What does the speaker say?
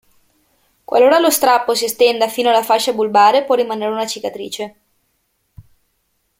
Qualora lo strappo si estenda fino alla fascia bulbare, può rimanere una cicatrice.